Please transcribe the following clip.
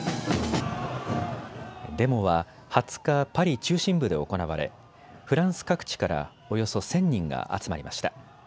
デモは２０日パリ中心部で行われ、フランス各地からおよそ１０００人が集まりました。